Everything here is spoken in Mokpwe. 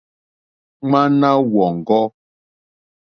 Ŋwáná wɔ̀ŋɡɔ́.